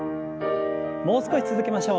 もう少し続けましょう。